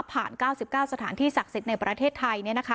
๙๙สถานที่ศักดิ์สิทธิ์ในประเทศไทย